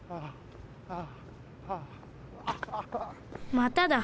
まただ。